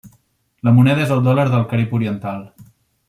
La moneda és el Dòlar del Carib Oriental.